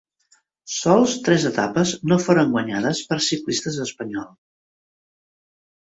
Sols tres etapes no foren guanyades per ciclistes espanyols.